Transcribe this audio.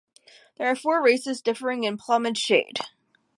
There are a four races differing in plumage shade.